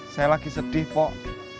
saya lagi sedih pok